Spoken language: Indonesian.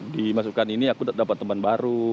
di masukan ini aku dapat teman baru